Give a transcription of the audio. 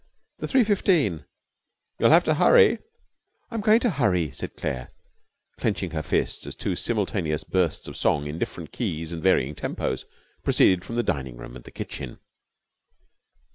'The three fifteen.' 'You will have to hurry.' 'I'm going to hurry,' said Claire, clenching her fists as two simultaneous bursts of song, in different keys and varying tempos, proceeded from the dining room and kitchen.